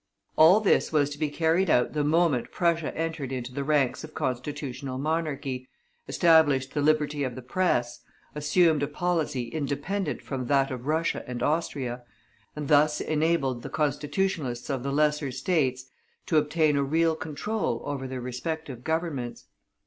All this was to be carried out the moment Prussia entered into the ranks of Constitutional Monarchy, established the Liberty of the Press, assumed a policy independent from that of Russia and Austria, and thus enabled the Constitutionalists of the lesser States to obtain a real control over their respective Governments.